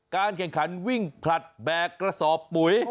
การแข่งขันวิ่งผลัดแบกกระสอบปุ๋ย